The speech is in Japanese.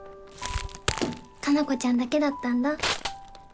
加奈子ちゃんだけだったんだ